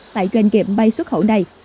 tại doanh nghiệp bay xuất khẩu này